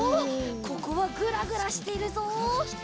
ここはグラグラしているぞ！